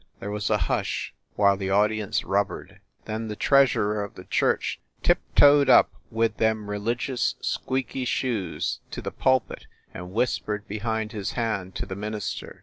There was a hush while the audience rubbered. Then the treasurer of the church tiptoed up with them religious squeaky shoes to the pulpit and whispered behind his hand to the minister.